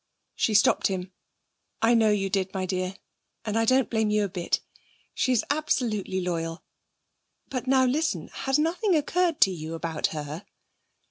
She stopped him. 'I know you did, my dear, and I don't blame you a bit. She's absolutely loyal. But now, listen. Has nothing occurred to you about her?'